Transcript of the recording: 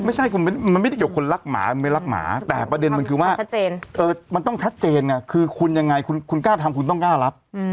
ไม่ใช่คุณมันไม่ได้เกี่ยวกับคนรักหมาไม่รักหมาแต่ประเด็นมันคือว่ามันต้องชัดเจนไงคือคุณยังไงคุณกล้าทำคุณต้องกล้ารับ